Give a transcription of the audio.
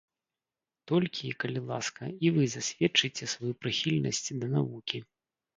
Толькі, калі ласка, і вы засведчыце сваю прыхільнасць да навукі.